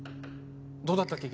どうだったっけ？